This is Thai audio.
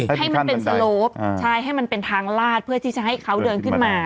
ให้มันเป็นสโลปใช่ให้มันเป็นทางลาดเพื่อที่จะให้เขาเดินขึ้นมา